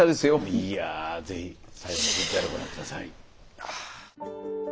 いや是非最後のＶＴＲご覧下さい。